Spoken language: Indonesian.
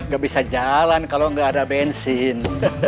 gak bisa jalan kalau nggak ada bensin